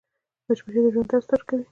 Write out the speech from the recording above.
مچمچۍ د ژوند درس راکوي